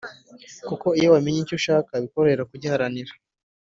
kuko iyo wamenye icyo ushaka bikorohera kugiharanira.